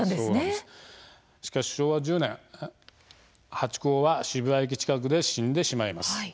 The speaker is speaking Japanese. しかし昭和１０年ハチ公は渋谷駅近くで死んでしまいます。